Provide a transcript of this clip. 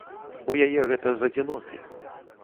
У яе гэта з адзіноты.